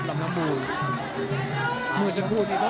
ลบสั่งรับอย่างเดียว